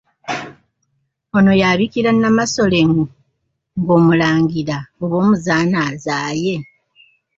Ono y'abikira Nnamasole ng'omulangira oba omuzaana azaaye?